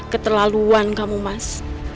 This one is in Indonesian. keterlaluan kamu mas